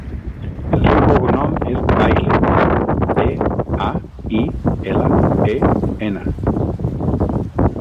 El seu cognom és Bailen: be, a, i, ela, e, ena.